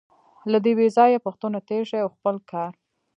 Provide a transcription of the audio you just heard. له دې بېځایه پوښتنو تېر شئ او خپل کار.